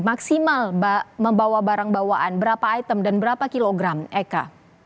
maksimal membawa barang bawaan berapa item dan berapa kilogram eka